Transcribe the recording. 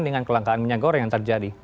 dengan kelangkaan minyak goreng yang terjadi